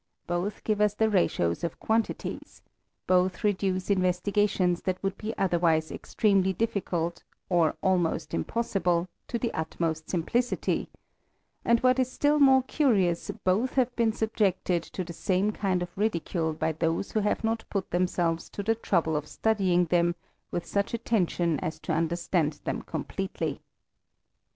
Both give us the ratios of quantities ; both reduce investi^tions that would be otherwise ex tremely difficult, or almost impossible, to the ut most simplicity ; and what is still more curious, both have been subjected to the same kind of ridicule by those who have not put themselves to the trouble of studying them with such attention as to underetand them completely.